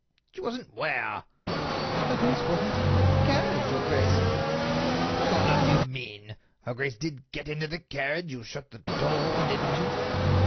"She wasn't where?" "Her grace wasn't in the carriage, your grace." "What on earth do you mean?" "Her grace did get into the carriage; you shut the door, didn't you?"